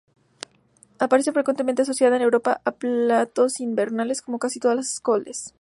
Aparece frecuentemente asociada en Europa a platos invernales, como casi todas las coles.